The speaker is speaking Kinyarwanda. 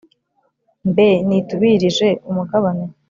Mbe nitubirije umugabane!"